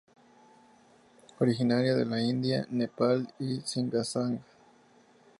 Originaria de la India, Nepal y Xizang.